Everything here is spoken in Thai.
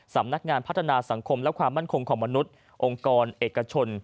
สำนักงานพัฒนาสังคมและความมั่นคงของมนุษย์องค์กรเอกชน